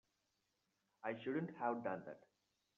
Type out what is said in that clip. I shouldn't have done that.